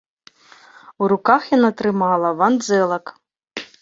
У руках яна трымала вандзэлак.